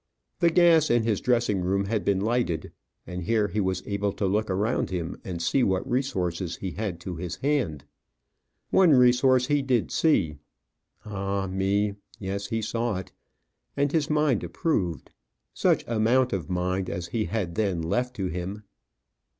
The gas in his dressing room had been lighted, and here he was able to look around him and see what resources he had to his hand. One resource he did see. Ah, me! Yes, he saw it, and his mind approved such amount of mind as he had then left to him.